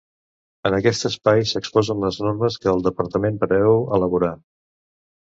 En aquest espai s'exposen les normes que el Departament preveu elaborar.